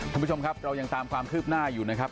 คุณผู้ชมครับเรายังตามความคืบหน้าอยู่นะครับ